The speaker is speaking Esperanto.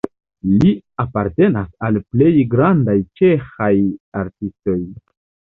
Li apartenas al plej grandaj ĉeĥaj artistoj.